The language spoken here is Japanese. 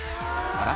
あら？